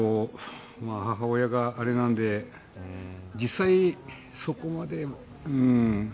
母親があれなので実際、そこまで。